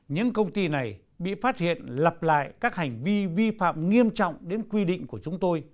những công ty này bị phát hiện lặp lại các hành vi vi phạm nghiêm trọng